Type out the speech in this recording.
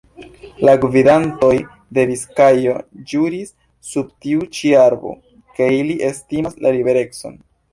La gvidantoj de Biskajo ĵuris sub tiu ĉi arbo, ke ili estimas la liberecon.